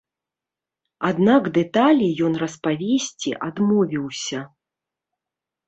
Аднак дэталі ён распавесці адмовіўся.